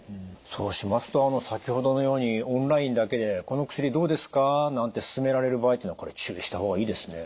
そうしますと先ほどのようにオンラインだけで「この薬どうですか？」なんて勧められる場合っていうのは注意した方がいいですね。